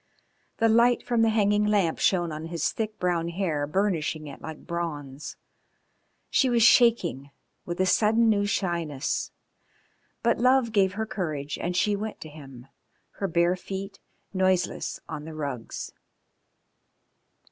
The light from the hanging lamp shone on his thick brown hair burnishing it like bronze. She was shaking with a sudden new shyness, but love gave her courage and she went to him, her bare feet noiseless on the rugs.